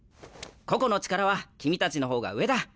個々の力は君たちの方が上だ。